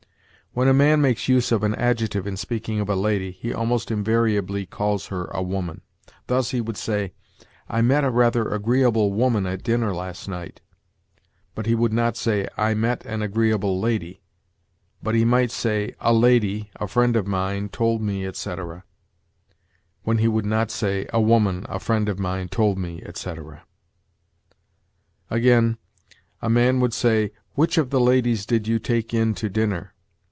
When a man makes use of an adjective in speaking of a lady, he almost invariably calls her a woman. Thus, he would say, 'I met a rather agreeable woman at dinner last night'; but he would not say, 'I met an agreeable lady'; but he might say, 'A lady, a friend of mine, told me,' etc., when he would not say, 'A woman, a friend of mine, told me,' etc. Again, a man would say, 'Which of the ladies did you take in to dinner?'